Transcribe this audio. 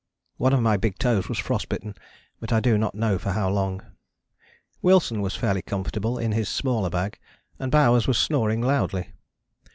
One of my big toes was frost bitten, but I do not know for how long. Wilson was fairly comfortable in his smaller bag, and Bowers was snoring loudly.